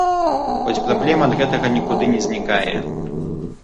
Хоць праблема ад гэтага нікуды не знікае.